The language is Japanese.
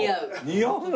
似合うな。